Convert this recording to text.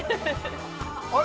あれ？